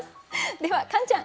ではカンちゃん。